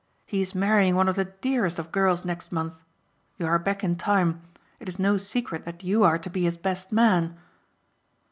He is marrying one of the dearest of girls next month. You are back in time. It is no secret that you are to be his best man."